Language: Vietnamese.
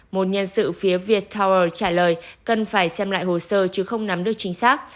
một nhân sự phía việt tower trả lời cần phải xem lại hồ sơ chứ không nắm được chính xác